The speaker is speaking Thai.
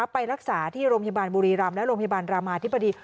ไปรักษาที่โรงพยาบาลบุรีรำและโรงพยาบาลรามาธิบดี